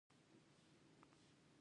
رحمن الله ګربز تېزې منډې جوړوي.